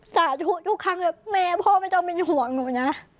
สาธุทุกครั้งแบบแม่พ่อไม่ต้องเป็นห่วงหนูนะ